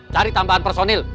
cari tambahan personil